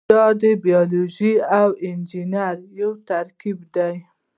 دا د بیولوژي او انجنیری یو ترکیب دی.